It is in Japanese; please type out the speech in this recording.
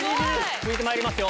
続いてまいりますよ！